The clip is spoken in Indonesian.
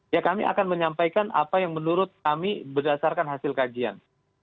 ya kami akan menyampaikan apa yang menurut kami berdasarkan hasil kajian